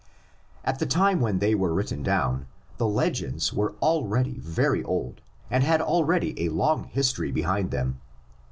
AT the time when they were written down the legends were already very old and had already a long history behind them.